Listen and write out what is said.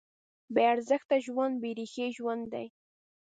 بېارزښته ژوند بېریښې ژوند دی.